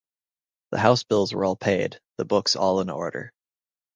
The house-bills were all paid, the books all in order.